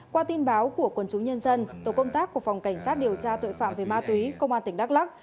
qua tin báo của quần chúng nhân dân tổ công tác của phòng cảnh sát điều tra tội phạm về ma túy công an tỉnh đắk lắc